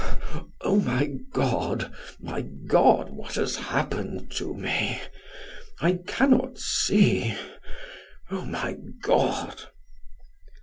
Oh, my God my God what has happened to me? I cannot see. Oh, my God!"